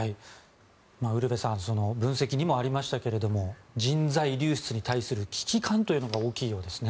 ウルヴェさん分析にもありましたけど人材流出に対する危機感というのが大きいようですね。